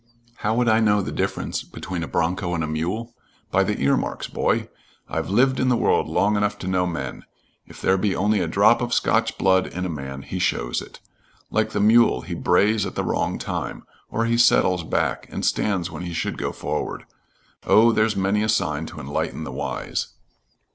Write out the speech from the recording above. "How would I know the difference between a broncho and a mule? By the earmarks, boy. I've lived in the world long enough to know men. If there be only a drop of Scotch blood in a man, he shows it. Like the mule he brays at the wrong time, or he settles back and stands when he should go forward. Oh, there's many a sign to enlighten the wise."